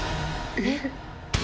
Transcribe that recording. えっ？